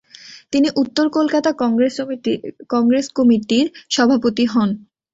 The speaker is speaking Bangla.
তিনি উত্তর কলকাতা কংগ্রেস কমিটির সভাপতি হন।